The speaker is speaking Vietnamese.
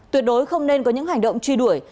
tuyệt đối không nên có những hành động truy đuổi